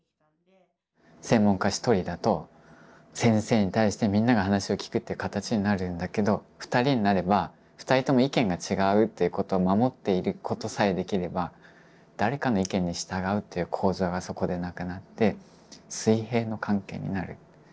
専門家１人だと先生に対してみんなが話を聞くっていう形になるんだけど２人になれば２人とも意見が違うということを守っていることさえできれば誰かの意見に従うという構造がそこでなくなって水平の関係になる。